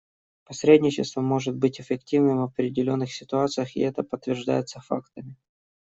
Посредничество может быть эффективным в определенных ситуациях, и это подтверждается фактами.